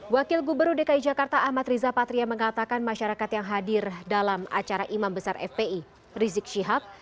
wakil gubernur dki jakarta ahmad riza patria mengatakan masyarakat yang hadir dalam acara imam besar fpi rizik syihab